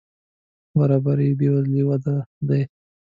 برابري بې وزلي وده دي.